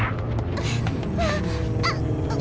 あっ！